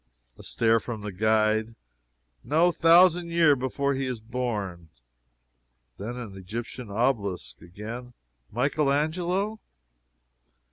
A stare from the guide. "No thousan' year before he is born." Then an Egyptian obelisk. Again: "Michael Angelo?"